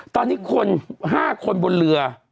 ตอนนี้คน๕คนบนเรือ